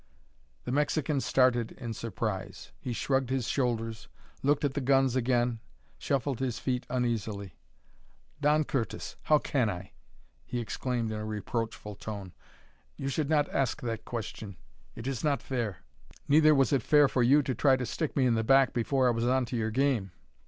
The Mexican started in surprise. He shrugged his shoulders, looked at the guns again, shuffled his feet uneasily. "Don Curtis, how can I?" he exclaimed in a reproachful tone. "You should not ask that question. It is not fair." "Neither was it fair for you to try to stick me in the back before I was onto your game.